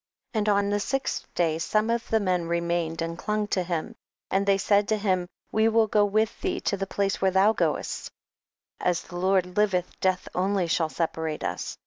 34. And on the sixth day some of the men remained and clung to him, and thev said to him, we will go witli thee to the place where thou goest ; as the Lord liveth, death only shall separate us.